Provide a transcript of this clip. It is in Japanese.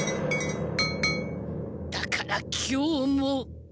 だから今日も。